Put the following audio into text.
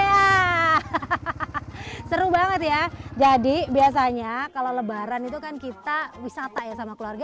hahaha seru banget ya jadi biasanya kalau lebaran itu kan kita wisata ya sama keluarga